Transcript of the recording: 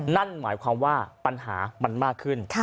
นั่นหมายความว่าปัญหามันมากขึ้น